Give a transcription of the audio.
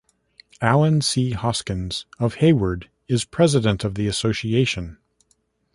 Allen C. Hoskins of Hayward, is President of the Association.